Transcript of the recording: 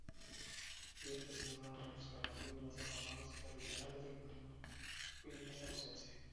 Bielsa celebra uno de los Carnavales más afamados y tradicionales del Pirineo oscense.